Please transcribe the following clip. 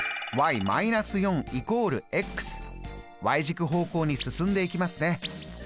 軸方向に進んでいきますね。